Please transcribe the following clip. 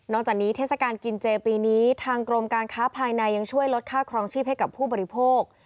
จากนี้เทศกาลกินเจปีนี้ทางกรมการค้าภายในยังช่วยลดค่าครองชีพให้กับผู้บริโภค